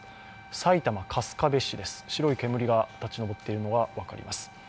埼玉春日部市です、白い煙が立ち上っているのが分かります。